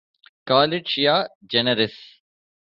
Call it Shea generis.